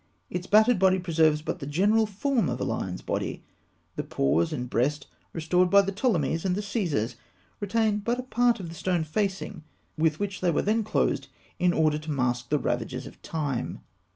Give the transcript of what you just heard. Its battered body preserves but the general form of a lion's body. The paws and breast, restored by the Ptolemies and the Caesars, retain but a part of the stone facing with which they were then clothed in order to mask the ravages of time.